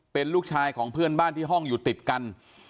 เป็นลูกชายของเพื่อนบ้านที่ห้องอยู่ติดกัน